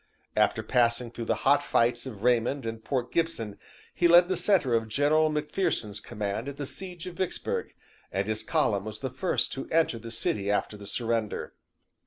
After passing through the hot fights of Raymond and Port Gibson, he led the center of General M'Pherson's command at the siege of Vicksburg, and his column was the first to enter the city after the surrender.